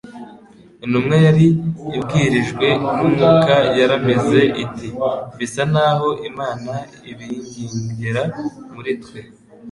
Intumwa yari ibwirijwe n'umwuka yaramize iti : "bisa naho Imana ibingingira muri twe.